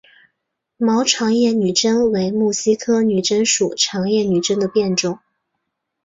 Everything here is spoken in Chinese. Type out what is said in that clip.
毛长叶女贞为木犀科女贞属长叶女贞的变种。